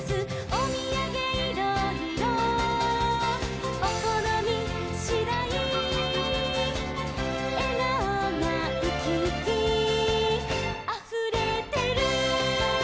「おみやげいろいろおこのみしだい」「えがおがウキウキあふれてる」